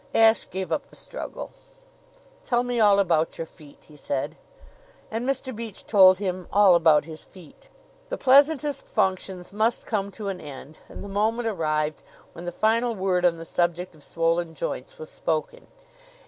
Ashe gave up the struggle. "Tell me all about your feet," he said. And Mr. Beach told him all about his feet. The pleasantest functions must come to an end, and the moment arrived when the final word on the subject of swollen joints was spoken.